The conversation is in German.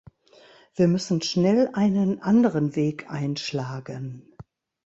Wir müssen schnell einen anderen Weg einschlagen.